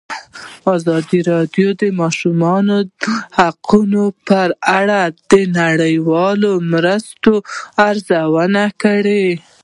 ازادي راډیو د د ماشومانو حقونه په اړه د نړیوالو مرستو ارزونه کړې.